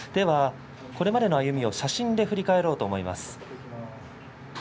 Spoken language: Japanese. これまでの歩みを写真で振り返ります。